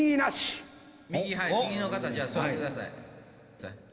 右の方じゃあ座ってください。